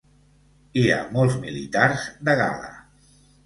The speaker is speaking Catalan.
Hi ha molts militars de gala.